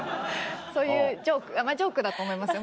そういうジョークだと思いますよ